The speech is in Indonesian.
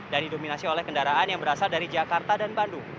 dan didominasi oleh kendaraan yang berasal dari jakarta dan bandung